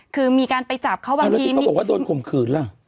คือมีการไปจับเขาบ้างแล้วที่เขาบอกว่าโดนข่มขืนล่ะ